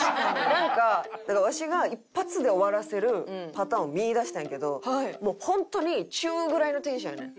なんかだからわしが一発で終わらせるパターンを見いだしたんやけどもう本当に中ぐらいのテンションやねん。